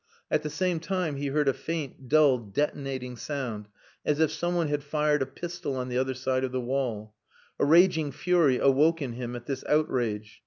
At the same time he heard a faint, dull detonating sound, as if some one had fired a pistol on the other side of the wall. A raging fury awoke in him at this outrage.